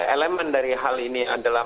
elemen dari hal ini adalah